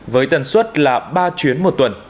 với tần suất là ba chuyến một tuần